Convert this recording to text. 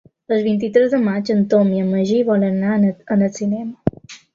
El vint-i-tres de maig en Tom i en Magí volen anar al cinema.